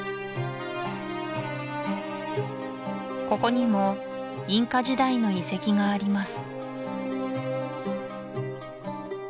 ここにもインカ時代の遺跡があります